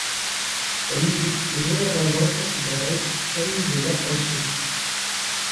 Sa musique est généralement considérée comme de l'afro-soul.